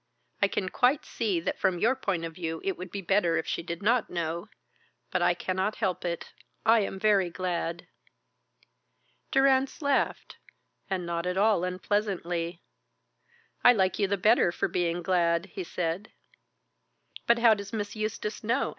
I can quite see that from your point of view it would be better if she did not know. But I cannot help it. I am very glad." Durrance laughed, and not at all unpleasantly. "I like you the better for being glad," he said. "But how does Miss Eustace know?"